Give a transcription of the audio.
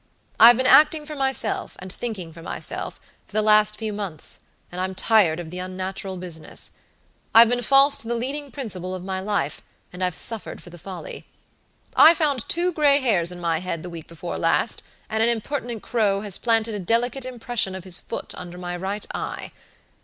I've been acting for myself, and thinking for myself, for the last few months, and I'm tired of the unnatural business. I've been false to the leading principle of my life, and I've suffered for the folly. I found two gray hairs in my head the week before last, and an impertinent crow has planted a delicate impression of his foot under my right eye.